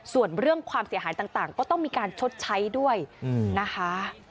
ส่วนเรื่องความเสียหายต่างก็ต้องมีการชดใช้ด้วยนะคะ